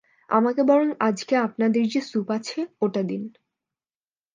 আমাকে বরং আজকে আপনাদের যে স্যুপ আছে ওটা দিন।